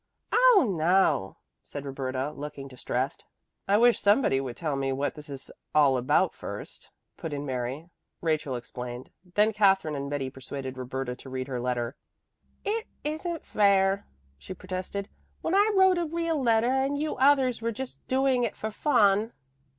"Oh no," said Roberta, looking distressed. "I wish somebody would tell me what this is all about first," put in Mary. Rachel explained, while Katherine and Betty persuaded Roberta to read her letter. "It isn't fair," she protested, "when I wrote a real letter and you others were just doing it for fun."